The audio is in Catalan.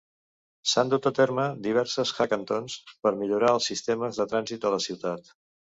S'han dut a terme diverses hackatons per millorar els sistemes de trànsit de la ciutat.